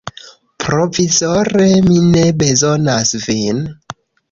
Provizore mi ne bezonas vin.